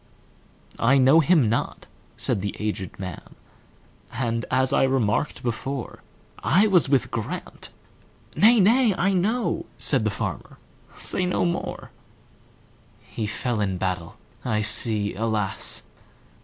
"I know him not," said the aged man,"And, as I remarked before,I was with Grant"—"Nay, nay, I know,"Said the farmer, "say no more:"He fell in battle,—I see, alas!